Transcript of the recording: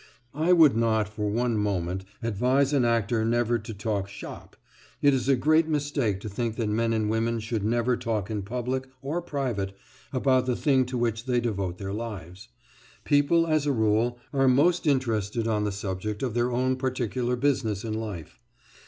I would not for one moment advise an actor never to talk "shop"; it is a great mistake to think that men and women should never talk in public or private about the thing to which they devote their lives; people, as a rule, are most interesting on the subject of their own particular business in life.